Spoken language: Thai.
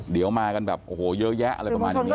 เดี๋ยวมากันแบบโอ้โหเยอะแยะอะไรประมาณอย่างนี้